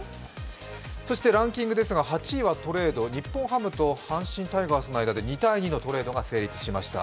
そしてランキングですが、８位はトレード、日本ハムと阪神タイガースの間で２対２のトレードが成立しました。